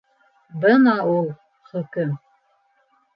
Бына ул - хөкөм.